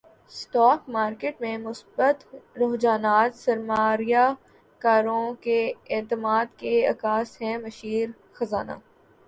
stock market میں مثبت رجحانات سرماریہ کاروں کے اعتماد کے عکاس ہیں مشیر خزانہ